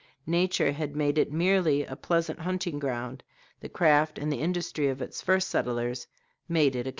Nature had made it merely a pleasant hunting ground; the craft and the industry of its first settlers made it a capital.